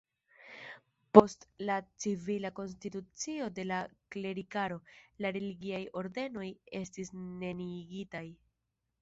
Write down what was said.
Post la civila konstitucio de la klerikaro, la religiaj ordenoj estis neniigitaj.